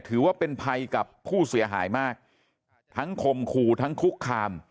ถือว่าเป็นภัยกับผู้เสียหายมากทั้งคมขู่ทั้งคุกคาม